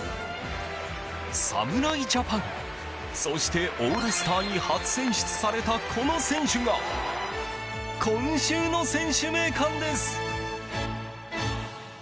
侍ジャパン、そしてオールスターに初選出されたこの選手が今週の選手名鑑です。